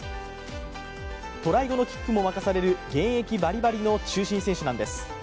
トライ後のキックも任される現役バリバリの中心選手なんです。